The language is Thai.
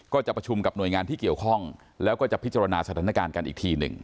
จะประชุมกับหน่วยงานที่เกี่ยวข้องแล้วก็จะพิจารณาสถานการณ์กันอีกทีหนึ่ง